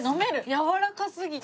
やわらかすぎて。